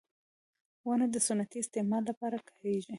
• ونه د صنعتي استعمال لپاره کارېږي.